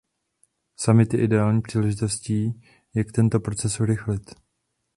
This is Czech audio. Summit je ideální příležitostí, jak tento proces urychlit.